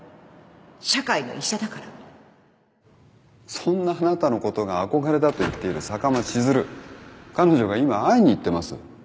そんなあなたのことが憧れだと言っている坂間千鶴彼女が今会いに行ってます。